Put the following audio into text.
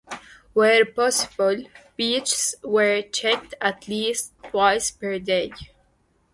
Where possible, beaches were checked at least twice per day.